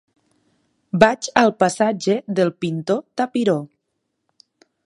Vaig al passatge del Pintor Tapiró.